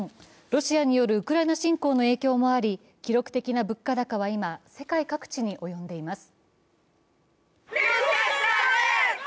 ロシアによるウクライナ侵攻の影響もあり、記録的な物価高は今、世界各地に及んでいます。